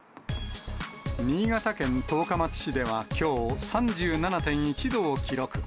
新潟県十日町市ではきょう、３７．１度を記録。